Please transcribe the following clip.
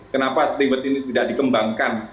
kenapa steward ini tidak dikembangkan